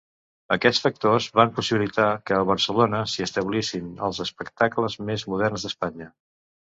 Aquests factors van possibilitar que a Barcelona s'hi establissin els espectacles més moderns d'Espanya.